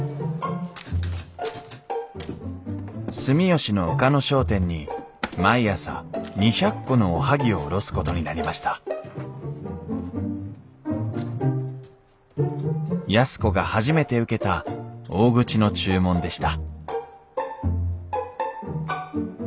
住吉の岡野商店に毎朝２００個のおはぎを卸すことになりました安子が初めて受けた大口の注文でした